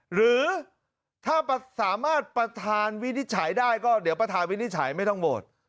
หรือถ้าสามารถประธานวินิจฉัยได้ก็เดี๋ยวประธานวินิจฉัยไม่ต้องโหวต